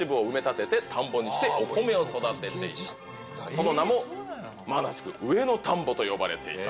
その名も上野田んぼと呼ばれていた。